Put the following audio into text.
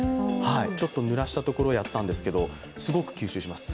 ちょっとぬらしたところをやったんですけど、すごく吸収します。